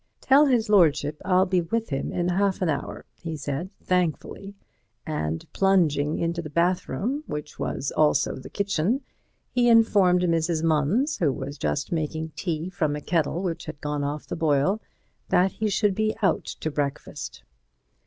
"Tell his lordship I'll be with him in half an hour," he said, thankfully, and plunging into the bathroom, which was also the kitchen, he informed Mrs. Munns, who was just making tea from a kettle which had gone off the boil, that he should be out to breakfast.